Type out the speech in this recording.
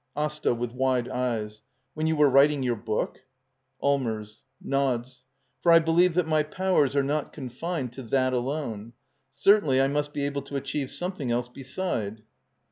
AsTA. [With wide eyes.] When you were writing your book? Allmers. [Nods.] For I believe that my powers are not confined to that alone. Certainly I must be able to achieve something else beside.